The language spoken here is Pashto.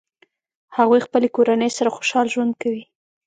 هغوی خپلې کورنۍ سره خوشحال ژوند کوي